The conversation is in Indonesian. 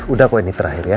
udah kok ini terakhir ya